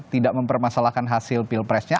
tidak mempermasalahkan hasil pilpresnya